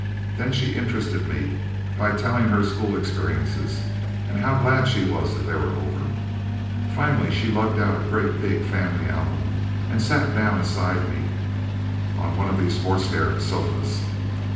Then she interested me by telling her school experiences, and how glad she was that they were over. Finally she lugged out a great big family album, and sat down aside of me on one of these horsehair sofas.